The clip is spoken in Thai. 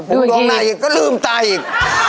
ตรงหน้าอีกก็ลืมตาอีก